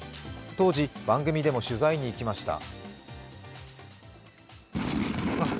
当時、番組でも取材に行きました。